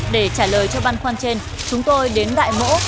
để trả lời cho băn khoăn trên chúng tôi đến đại mẫu